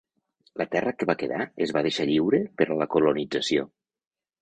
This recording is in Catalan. La terra que va quedar es va deixar lliure per a la colonització.